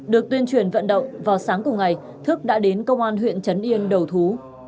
được tuyên truyền vận động vào sáng cùng ngày thức đã đến công an huyện trấn yên đầu thú